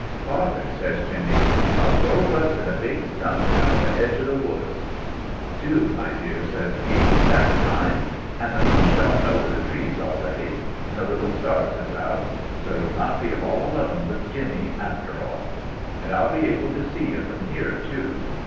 "' Father,' says Jinny, Til go but t' the big stump at the edge o' the woods.' "' Do, my dear !' says he. ' That's kind ! An' the moon's showin' over the trees already. An' the little stars is out. So you'll not be all alone with Jimmie, after all. An' I'll be able t' see you from here, too.